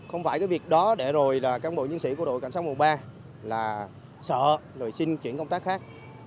không phải cái việc đó để rồi là các bộ nhân sĩ của đội cảnh sát mùa ba là sợ rồi xin chuyển công tác khác